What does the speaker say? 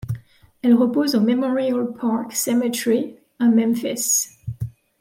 Elle repose au Memorial Park Cemetery à Memphis.